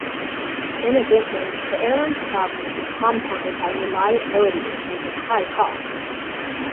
In addition, the airline's problems were compounded by reliability issues and high costs.